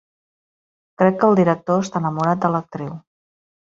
Crec que el director està enamorat de l'actriu.